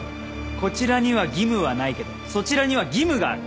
こちらには義務はないけどそちらには義務がある。